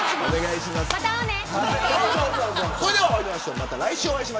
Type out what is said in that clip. また会おうね。